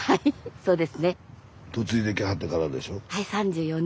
そうです。